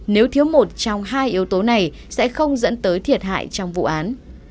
nếu thiếu một trong hai yếu tố này sẽ không dẫn tới thiệt hại trong vụ án